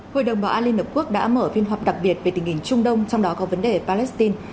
hội đồng bảo an liên hợp quốc đã mở phiên họp đặc biệt về tình hình trung đông trong đó có vấn đề palestine